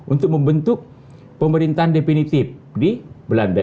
untuk membentuk pemerintahan definitif di belanda